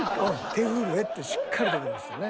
［手震えってしっかり出てましたね］